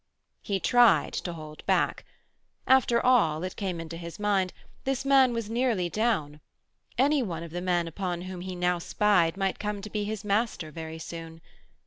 He tried to hold back. After all, it came into his mind, this man was nearly down. Any one of the men upon whom he now spied might come to be his master very soon.